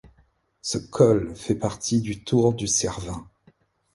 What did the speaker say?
Ce col fait partie du Tour du Cervin.